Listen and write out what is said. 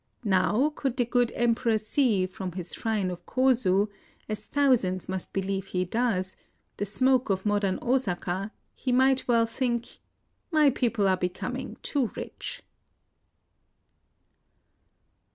Now, could the good Emperor see, from his shrme of Kozu, — as thousands must believe he does, — the smoke of modern Osaka, he might well think, " My people are becoming too rich."